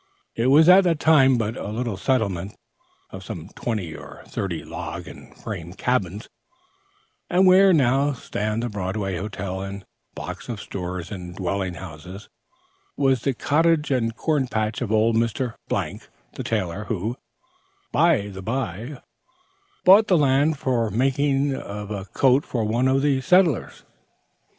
It was at that time but a little settlement of some twenty or thirty log and frame cabins, and where now stand the Broadway Hotel and blocks of stores and dwelling houses, was the cottage and corn patch of old Mr. , the tailor, who, by the bye, bought that land for the making of a coat for one of the settlers.